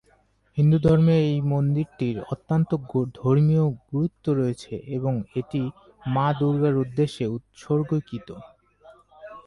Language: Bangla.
হিন্দু ধর্মে এই মন্দিরটির অত্যন্ত ধর্মীয় গুরুত্ব রয়েছে এবং এটি মা দুর্গার উদ্দেশ্যে উত্সর্গীকৃত।